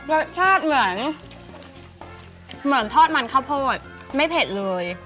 รสชาติเหมือนเหมือนทอดมันข้าวโพดไม่เผ็ดเลย